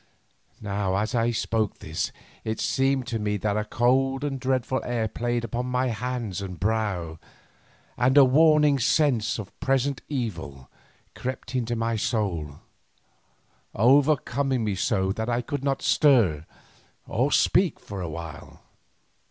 Now as I spoke thus it seemed to me that a cold and dreadful air played upon my hands and brow and a warning sense of present evil crept into my soul, overcoming me so that I could not stir or speak for a while.